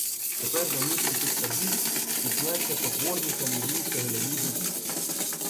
Тепер на місці тих садів тісняться потворні кам՚яні й цегляні будівлі.